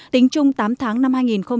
tính chung tám tháng năm hai nghìn hai mươi